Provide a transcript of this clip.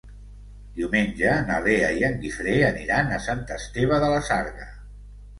Diumenge na Lea i en Guifré aniran a Sant Esteve de la Sarga.